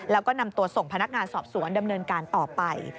แล้วก็นำตัวส่งพนักงานสอบสวนดำเนินการต่อไป